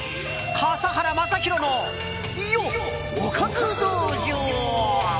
笠原将弘のおかず道場。